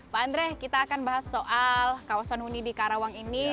pak andre kita akan bahas soal kawasan huni di karawang ini